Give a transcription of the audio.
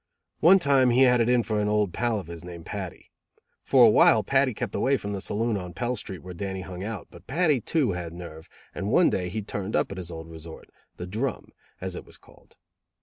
One time he had it in for an old pal of his named Paddy. For a while Paddy kept away from the saloon on Pell Street where Dannie hung out, but Paddy, too, had nerve, and one day he turned up at his old resort, the Drum, as it was called.